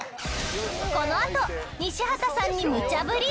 このあと西畑さんにむちゃぶり。